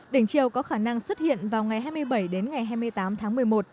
đỉnh chiều có khả năng xuất hiện vào ngày hai mươi bảy đến ngày hai mươi tám tháng một mươi một